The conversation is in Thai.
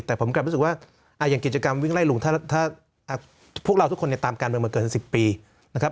แต่ผมกลับรู้สึกว่าอย่างกิจกรรมวิ่งไล่ลุงถ้าพวกเราทุกคนเนี่ยตามการเมืองมาเกิน๑๐ปีนะครับ